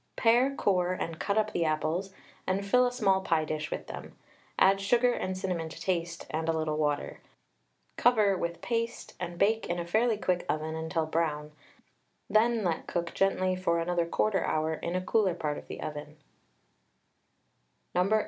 Pare, core, and cut up the apples, and fill a small pie dish with them; add sugar and cinnamon to taste, and a little water. Cover with paste, and bake in a fairly quick oven until brown, then let cook gently for another 1/4 hour in a cooler part of the oven.